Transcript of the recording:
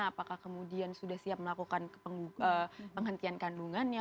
apakah kemudian sudah siap melakukan penghentian kandungannya